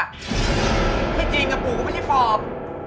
แค่จริงกับปู่กูไม่ใช่ป๊อป